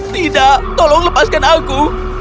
tidak tolong lepaskan aku